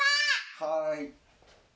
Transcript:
はい。